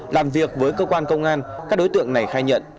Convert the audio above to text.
làm việc với cơ quan công an các đối tượng này khai nhận